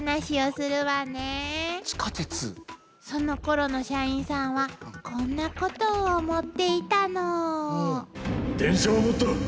そのころの社員さんはこんなことを思っていたの。